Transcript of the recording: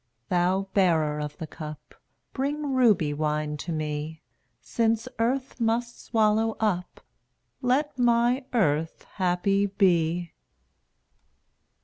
Thou bearer of the cup, Bring ruby wine to me; Since earth must swallow up Let my earth happy be.